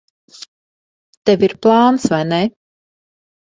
Tev ir plāns, vai ne?